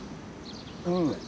うん。